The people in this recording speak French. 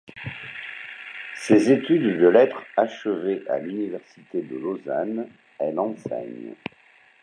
Ses études de lettres achevées à l'Université de Lausanne, elle enseigne.